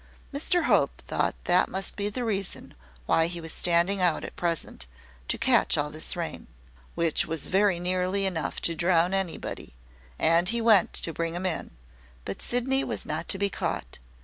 Mr Hope thought that must be the reason why he was standing out at present, to catch all this rain, which was very nearly enough to drown anybody; and he went to bring him in. But Sydney was not to be caught.